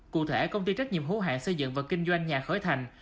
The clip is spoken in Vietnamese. cụ thể công ty trách nhiệm hữu hạn xây dựng và kinh doanh nhà khởi thành